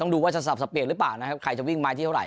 ต้องดูว่าจะสับสะเปียกหรือเปล่านะครับใครจะวิ่งไม้ที่เท่าไหร่